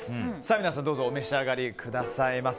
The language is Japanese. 皆さん、どうぞお召し上がりくださいませ。